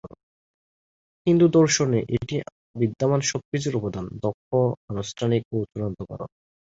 হিন্দু দর্শনে, এটি বিদ্যমান সবকিছুর উপাদান, দক্ষ, আনুষ্ঠানিক ও চূড়ান্ত কারণ।